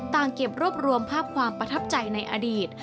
เก็บรวบรวมภาพความประทับใจในอดีต